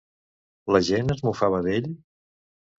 La gent es mofava d'ell?